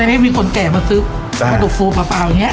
ไม่มีคนแก่มาซื้อปลาดุกฟูเปล่าอย่างนี้